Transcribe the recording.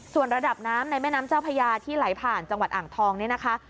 ส่วนระดับน้ำในแม่น้ำเจ้าพญาที่ไหลผ่านจังหวัดอ่างทองเนี่ยนะคะ